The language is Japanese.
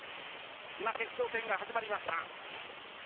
今、決勝戦が始まりました。